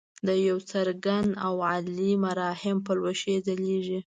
د یو څرګند او عالي مرام پلوشې ځلیږي.